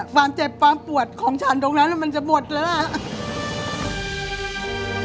ฟาร์มเจ็บฟาร์มปวดของฉันตรงนั้นมันจะหมดแล้ว